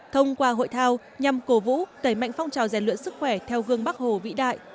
thông qua hội thao nhằm cổ vũ đẩy mạnh phong trào rèn luyện sức khỏe theo gương bắc hồ vĩ đại